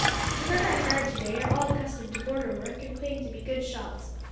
The men I hired to day are all accustomed to border work, and claim to be good shots.